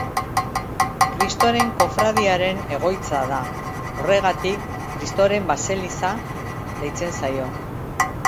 Kristoren kofradiaren egoitza da, horregatik Kristoren baseliza deitzen zaio.